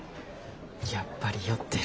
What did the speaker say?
やっぱり酔ってる。